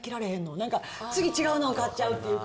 なんか、次違うの買っちゃうっていうか。